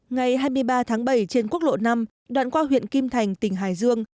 ngày hai mươi ba tháng bảy trên quốc lộ năm đoạn qua huyện kim thành tỉnh hải dương